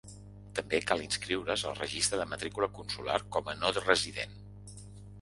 També cal inscriure’s al registre de matrícula consular com a no resident.